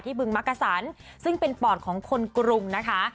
บึงมักกะสันซึ่งเป็นปอดของคนกรุงนะคะ